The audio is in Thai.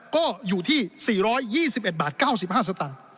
ก็อยู่ที่๔๒๑๙๕บาท